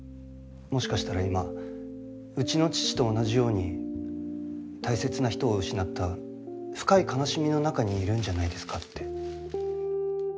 もしかしたら今うちの父と同じように大切な人を失った深い悲しみの中にいるんじゃないですかって。